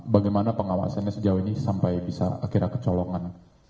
bagaimana pengawasannya sejauh ini sampai bisa akhirnya kecolongan